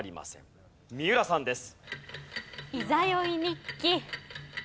三浦さんです。